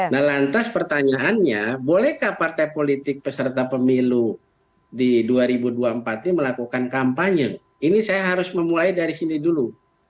nah lantas pertanyaannya bolehkah partai politik peserta pemilu di dua ribu dua puluh empat ini melakukan kampanye ini saya harus memulai dari sini dulu